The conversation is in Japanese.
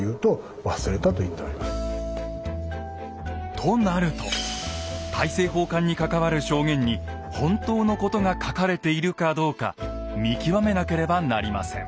となると大政奉還に関わる証言に本当のことが書かれているかどうか見極めなければなりません。